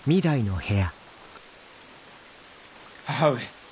母上。